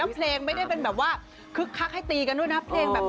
เพลงไม่ได้เป็นแบบว่าคึกคักให้ตีกันเลยนะเพลงแบบชิลสบายเลย